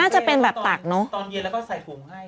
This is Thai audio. น่าจะเป็นแบบตักู้